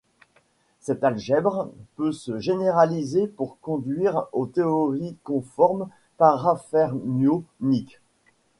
Cet algèbre peut se généraliser pour conduire aux théories conformes parafermioniques.